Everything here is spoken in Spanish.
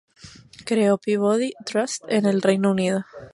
Creó Peabody Trust en el Reino Unido.